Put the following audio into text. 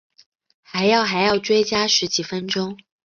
还要还要追加十几分钟